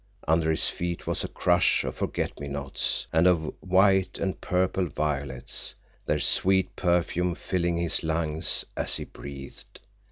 Under his feet was a crush of forget me nots and of white and purple violets, their sweet perfume filling his lungs as he breathed.